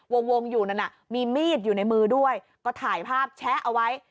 วงอยู่นั่นน่ะมีมีดอยู่ในมือด้วยก็ถ่ายภาพแชะเอาไว้